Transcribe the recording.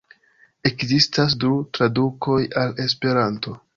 Ekzistas du tradukoj al Esperanto.